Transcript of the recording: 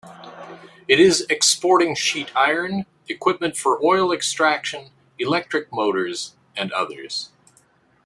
It is exporting sheet iron, equipment for oil extraction, electric motors and others.